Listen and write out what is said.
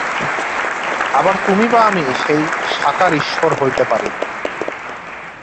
আবার তুমি বা আমি সেই সাকার ঈশ্বর হইতে পারি না।